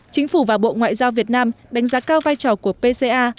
chính phủ và bộ ngoại giao việt nam đánh giá cao vai trò của pca